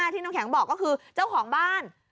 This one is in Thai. ที่น้ำแข็งบอกก็คือเจ้าของบ้าน